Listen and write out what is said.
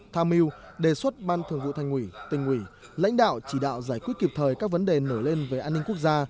tham mưu đề xuất ban thường vụ thành quỷ tình quỷ lãnh đạo chỉ đạo giải quyết kịp thời các vấn đề nổi lên về an ninh quốc gia